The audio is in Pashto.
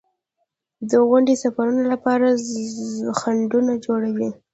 • غونډۍ د سفرونو لپاره خنډونه جوړوي.